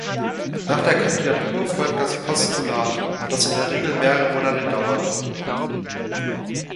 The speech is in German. Nach der Kandidatur folgt das Postulat, das in der Regel mehrere Monate dauert.